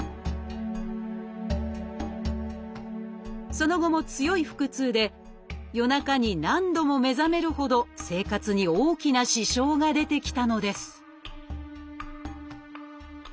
その後も強い腹痛で夜中に何度も目覚めるほど生活に大きな支障が出てきたのです